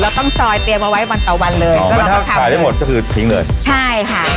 ต้องซอยเตรียมเอาไว้วันต่อวันเลยอ๋อถ้าขายได้หมดก็คือทิ้งเลยใช่ค่ะ